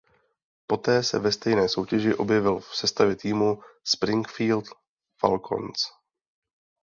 Poté se ve stejné soutěži objevil v sestavě týmu Springfield Falcons.